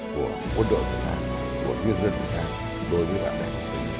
của quân đội việt nam của nguyên dân việt nam đối với bản đảm